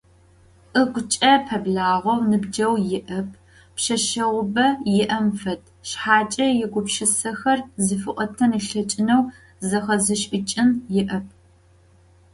Ыгукӏэ пэблагъэу ныбджэгъу иӏэп, пшъэшъэгъубэ иӏэм фэд, шъхьакӏэ игупшысэхэр зыфиӏотэн ылъэкӏынэу, зэхэзышӏыкӏын иӏэп.